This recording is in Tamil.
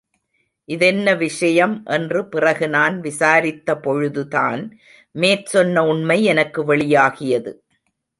இதென்ன விஷயம் என்று பிறகு நான் விசாரித்த பொழுதுதான் மேற்சொன்ன உண்மை எனக்கு வெளியாகியது.